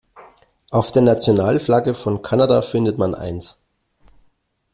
Auf der Nationalflagge von Kanada findet man eins.